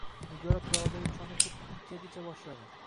Nigora piyoladagi choyni xuddi it kabi icha boshladi.